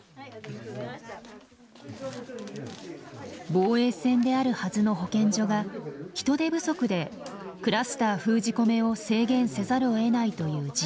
防衛線であるはずの保健所が人手不足でクラスター封じ込めを制限せざるをえないという事態。